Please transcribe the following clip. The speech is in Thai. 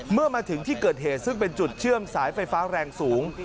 เมื่อมาถึงที่เกิดเหตุซึ่งเป็นจุดเชื่อมสายไฟฟ้าแรงสูง